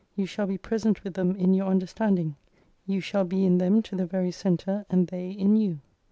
You shall be present with them in your understanding. You shall be in them to the very centre and they in you.